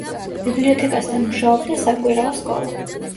ბიბლიოთეკასთან მუშაობდა საკვირაო სკოლა.